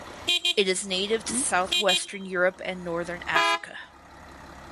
It is native to southwestern Europe and northern Africa.